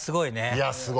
いやすごい。